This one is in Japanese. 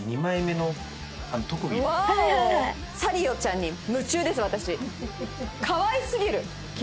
サリオちゃんに夢中です私。